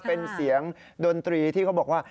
เป็นเสียงดนตรีที่เขาบอกว่า